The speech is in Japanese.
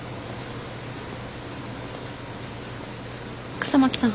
笠巻さん。